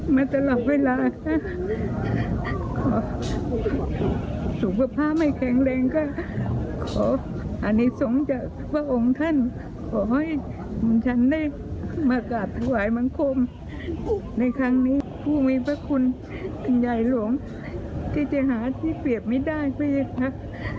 มากอาบถวายบังคมในครั้งนี้ผู้มีภาคคุณพระยายหลวมที่จะหาที่เผียบไม่ได้พระเจ้า